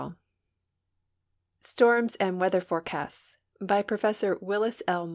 3 STORMS AND WEATHER FORECASTS By Professor Willis L.